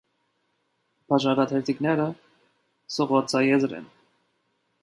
Բաժակաթերթիկները սղոցաեզր են։